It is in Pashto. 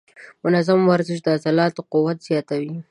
منظم ورزش د عضلاتو قوت زیاتوي.